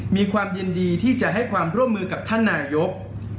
มีความยินดีที่จะให้ความร่วมมือกับท่านนายก